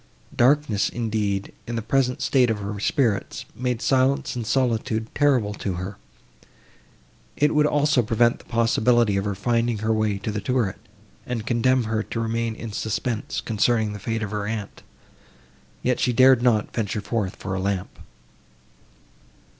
Darkness, indeed, in the present state of her spirits, made silence and solitude terrible to her; it would also prevent the possibility of her finding her way to the turret, and condemn her to remain in suspense, concerning the fate of her aunt; yet she dared not to venture forth for a lamp.